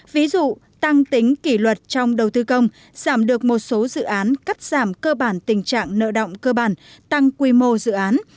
ví dụ tăng tính kỷ luật trong đầu tư công giảm được một số dự án cắt giảm cơ bản tình trạng nợ động cơ bản tăng quy mô dự án